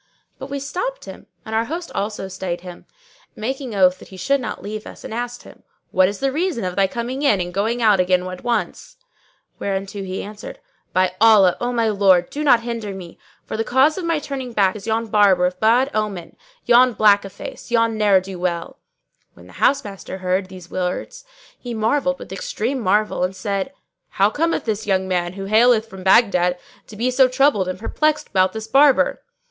But we stopped him and our host also stayed him, making oath that he should not leave us and asked him, "What is the reason of thy coming in and going out again at once?"; whereto he answered, "By Allah, O my lord, do not hinder me; for the cause of my turning back is yon Barber of bad omen,[FN#602] yon black o'face, yon ne'er do well!" When the housemaster heard these words he marvelled with extreme marvel and said, "How cometh this young man, who haileth from Baghdad, to be so troubled and perplexed about this Barber?"